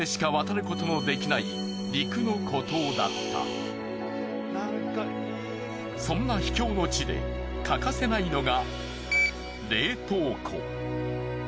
実はそんな秘境の地で欠かせないのが冷凍庫。